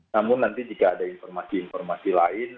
namun nanti jika ada informasi informasi lain